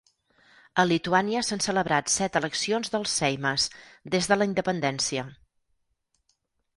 A Lituània s'han celebrat set eleccions del Seimas des de la independència.